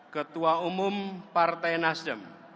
ketua umum partai nasdem